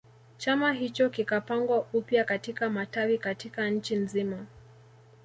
Chama hicho kikapangwa upya katika matawi katika nchi nzima